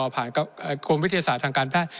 กรมวิทยาศาสตร์ทางการแพทย์